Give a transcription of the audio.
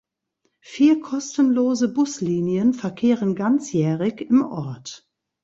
Vier kostenlose Buslinien verkehren ganzjährig im Ort.